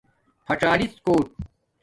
پھڅالَس کوُٹ